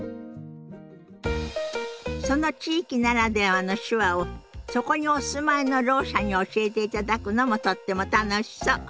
その地域ならではの手話をそこにお住まいのろう者に教えていただくのもとっても楽しそう。